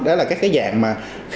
đó là các cái dạng mà